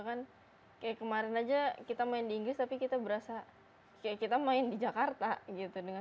kan kayak kemarin aja kita main di inggris tapi kita berasa kayak kita main di jakarta gitu dengan